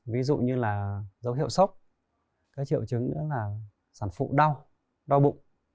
ví dụ như là dấu hiệu sốc cái chịu chứng nữa là sản phụ đau đau bụng